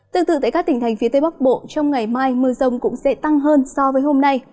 tương tự tại các tỉnh thành phía tây bắc bộ trong ngày mai mưa rông cũng sẽ tăng hơn so với hôm nay